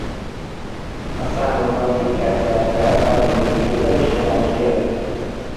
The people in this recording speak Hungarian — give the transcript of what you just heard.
A számokban cikkel szerepel Tabéry Géza és Kovács György.